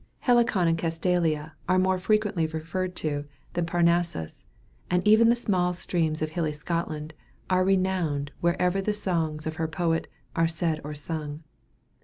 Helicon and Castalia are more frequently referred to than Parnassus, and even the small streams of hilly Scotland, are renowned wherever the songs of her poet "are said or sung."